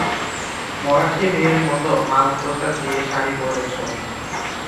মরাঠী মেয়ের মতো মালকোঁচা দিয়ে শাড়ি পরেছ।